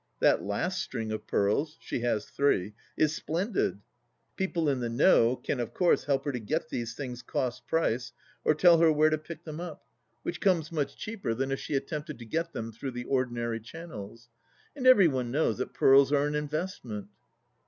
That last string of pearls — she has three — is splendid. People in the iSiow can of course help her to get these things cost price, or tell her where to pick them up, which comes much cheaper than if THE LAST DITCH 87 she attempted to get them through the ordinary channels. And every one knows that pearls are an investment.